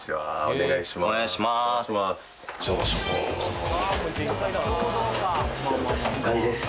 お願いします。